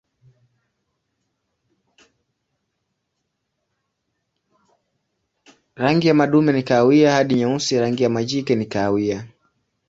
Rangi ya madume ni kahawia hadi nyeusi, rangi ya majike ni kahawia.